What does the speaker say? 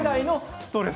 ストレス。